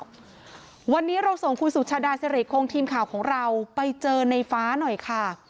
วันนี้เราส่งคุณสุชาดาสิริคงทีมข่าวของเราไปเจอในฟ้าหน่อยค่ะ